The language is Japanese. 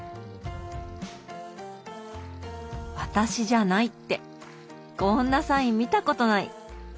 「私じゃない」ってこんなサイン見たことない。